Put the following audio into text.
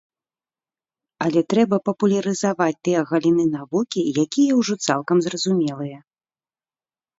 Але трэба папулярызаваць тыя галіны навукі, якія ўжо цалкам зразумелыя.